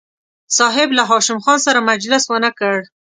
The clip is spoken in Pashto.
صاحب له هاشم خان سره مجلس ونه کړ.